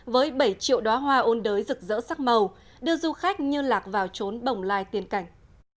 với bảy triệu đoá hoa ôn đới rực rỡ sắc màu đưa du khách như lạc vào trốn bồng lai tiên cảnh